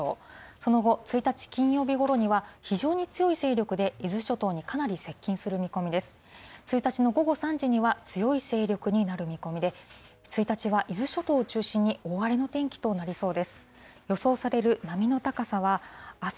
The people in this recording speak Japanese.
その後、１日金曜日ごろには、非常に強い勢力で伊豆諸島にかなり接近する見込みです。